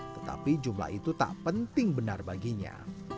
tetapi jumlah itu tak penting benar baginya